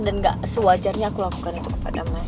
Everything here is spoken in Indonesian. dan nggak sewajarnya aku lakukan itu kepada mas